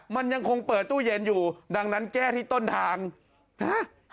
มันยังคงเปิดตู้เย็นอยู่ดังนั้นแก้ที่ต้นทางนะ